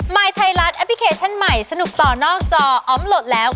ยไทยรัฐแอปพลิเคชันใหม่สนุกต่อนอกจออมโหลดแล้ว